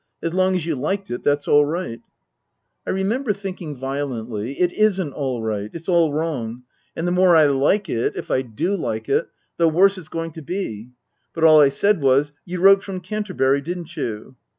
As long as you liked it, that's all right." I remember thinking violently : "It isn't all right. It's all wrong. And the more I like it (if I do like it) the worse it's going to be." But all I said was, " You wrote from Canterbury, didn't you